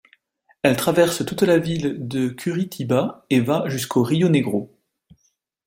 Elle traverse toute la ville de Curitiba et va jusqu'au rio Negro.